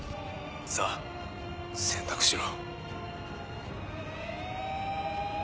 さぁ選択しろ。